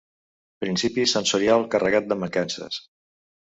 Principi sensorial carregat de mancances.